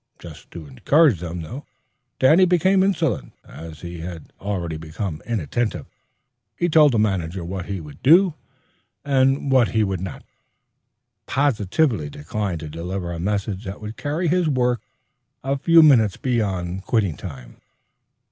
Just to encourage them, Danny became insolent, as he had already become inattentive; he told the manager what he would do and what he would not do, and positively declined to deliver a message that would carry his work a few minutes beyond quitting time.